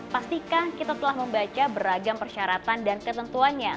pastikan kita telah membaca beragam persyaratan dan ketentuannya